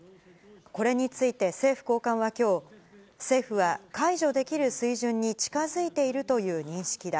これについて政府高官はきょう、政府は解除できる水準に近づいているという認識だ。